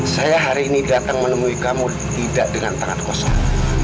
saya hari ini datang menemui kamu tidak dengan tangan kosong